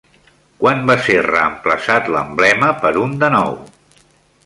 Quan va ser reemplaçat l'emblema per un de nou?